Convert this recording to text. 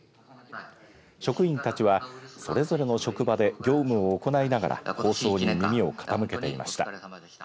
職員たちは、それぞれの職場で業務を行いながら放送に耳を傾けていました。